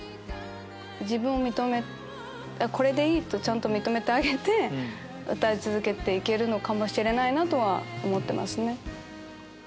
自分をこれでいい！とちゃんと認めてあげて歌い続けて行けるかもしれないと思ってますね。